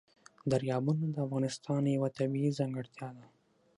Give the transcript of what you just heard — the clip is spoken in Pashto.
دریابونه د افغانستان یوه طبیعي ځانګړتیا ده.